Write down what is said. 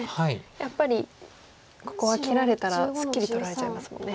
やっぱりここは切られたらすっきり取られちゃいますもんね。